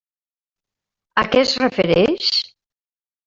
A què es refereix?